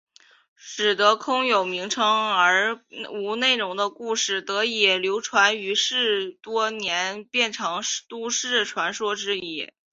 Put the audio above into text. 使得空有名称而无内容的故事得以流传于世多年变成都市传说之一。